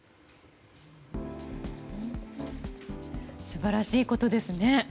素晴らしいことですね。